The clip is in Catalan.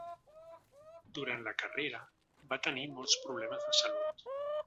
Durant la carrera, va tenir molts problemes de salut.